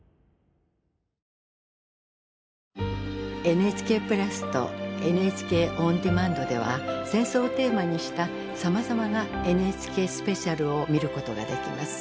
「ＮＨＫプラス」と「ＮＨＫオンデマンド」では戦争をテーマにしたさまざまな「ＮＨＫスペシャル」を見ることができます。